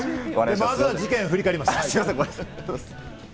まずは事件を振り返ります。